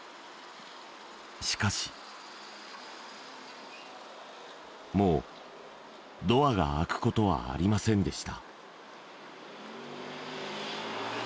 しかしもうドアが開くことはありませんでした